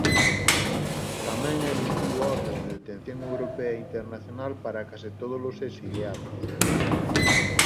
Tamén emitiu ordes de detención europea e internacional para case tódolos exiliados.